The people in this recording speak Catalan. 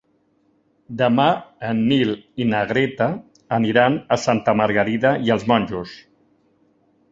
Demà en Nil i na Greta aniran a Santa Margarida i els Monjos.